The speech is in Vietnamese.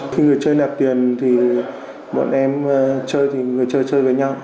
khi người chơi nạp tiền thì bọn em chơi thì người chơi chơi với nhau